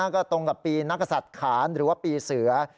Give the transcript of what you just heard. ก็ตรงกับปีนักศัตริย์ขานหรือว่าปีเสือ